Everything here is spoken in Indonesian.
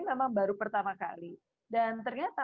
memang baru pertama kali dan ternyata